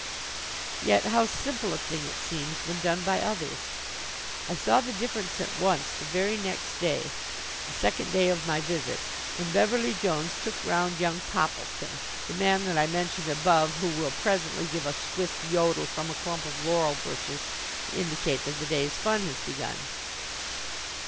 Yet how simple a thing it seems when done by others. I saw the difference at once the very next day, the second day of my visit, when Beverly Jones took round young Poppleton, the man that I mentioned above who will presently give a Swiss yodel from a clump of laurel bushes to indicate that the day's fun has begun.